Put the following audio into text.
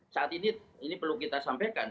saat ini ini perlu kita sampaikan